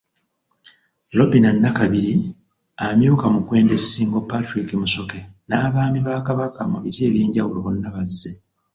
Robinah Nakabiri, amyuka Mukwenda e Ssingo Patrick Musoke n’Abaami ba Kabaka mu biti ebyenjawulo bonna bazze.